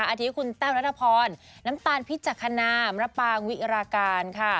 อาทิตย์คุณแต้วนัทพรน้ำตาลพิจักษณามระปางวิราการค่ะ